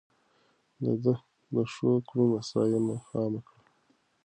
ده د ښو کړنو ستاينه عامه کړه.